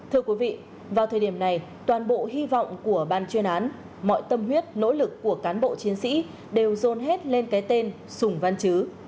thưa quý vị vào thời điểm này toàn bộ hy vọng của ban chuyên án mọi tâm huyết nỗ lực của cán bộ chiến sĩ đều dồn hết lên cái tên sùng văn chứ